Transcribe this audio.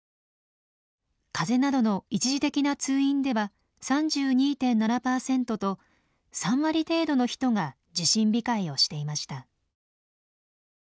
風邪などの一時的な通院では３２．７％と３割程度の人が受診控えをしていました。